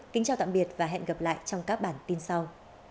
kính chào tạm biệt và hẹn gặp lại trong các bản tin sau